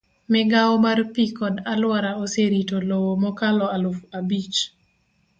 Migawo mar pi kod alwora oserito lowo mokalo aluf abich.